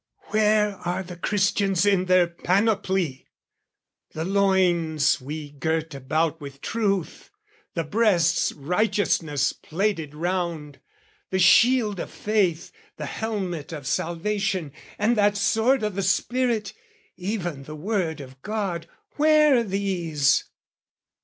Where are the Christians in their panoply? The loins we girt about with truth, the breasts Righteousness plated round, the shield of faith, The helmet of salvation, and that sword O' the Spirit, even the word of God, where these?